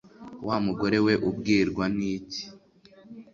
wa mugore we ubwirwa n'iki